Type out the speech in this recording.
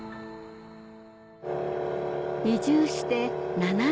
移住して７年目